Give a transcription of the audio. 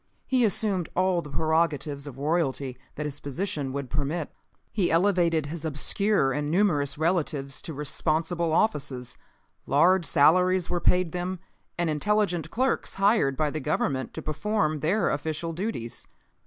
He assumed all the prerogatives of royalty that his position would permit. He elevated his obscure and numerous relatives to responsible offices. Large salaries were paid them and intelligent clerks hired by the Government to perform their official duties.